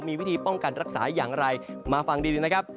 มีวิธีป้องกันรักษาอย่างไรมาฟังดีนะครับ